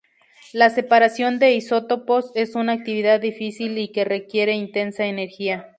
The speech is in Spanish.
La separación de isótopos es una actividad difícil y que requiere intensa energía.